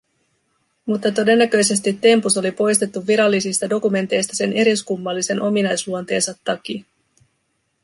Mutta todennäköisesti Tempus oli poistettu virallisista dokumenteista sen eriskummallisen ominaisluonteensa takia.